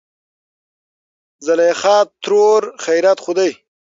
زليخاترور : خېرت خو دى.